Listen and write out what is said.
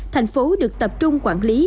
thành phố được tập trung quản lý